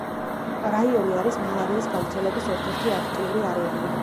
რაიონი არის მალარიის გავრცელების ერთ-ერთი აქტიური არეალი.